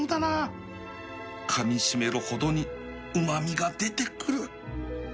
かみしめるほどにうま味が出てくる